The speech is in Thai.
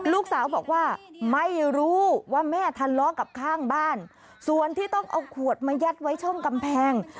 ลูกสาวบอกว่าไม่รู้ว่าแม่ทะเลาะกับข้างบ้านส่วนที่ต้องเอาขวดมายัดไว้ช่องกำแพง